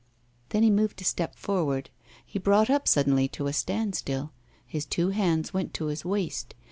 Then he moved a step forward. He brought up suddenly to a standstill. His two hands went to his waist.